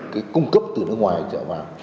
cái cung cấp từ nước ngoài trở vào